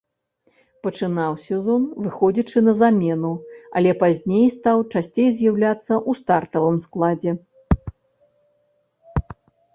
Пачынаў сезон, выходзячы на замену, але пазней стаў часцей з'яўляцца ў стартавым складзе.